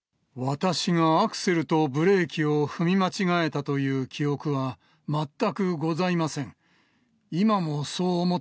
私がアクセルとブレーキを踏み間違えたという記憶は全くございません。